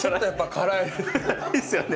辛いですよね。